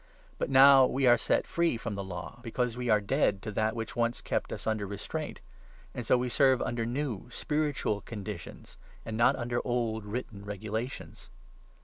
But now we are set free from the 6 Law, because we are dead to that which once kept us under restraint ; and so we serve under new, spiritual conditions, and not under old, written regulations.